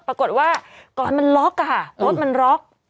ปรากฏว่าก่อนมันล็อกค่ะรถมันล็อก